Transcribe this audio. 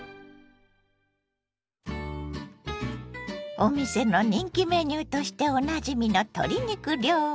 お店の人気メニューとしておなじみの鶏肉料理。